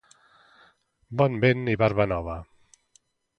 Bon vent i barba nova!